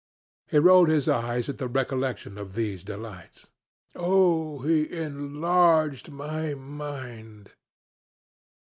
He rolled his eyes at the recollection of these delights. 'Oh, he enlarged my mind!'